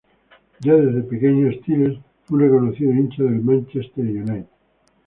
Ya desde pequeño Stiles fue un reconocido hincha del Manchester United.